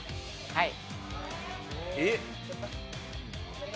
はい。